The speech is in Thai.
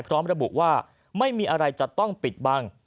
พร้อมระบุว่าไม่มีอะไรจะต้องปิดบัง